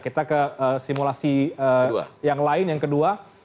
kita ke simulasi yang lain yang kedua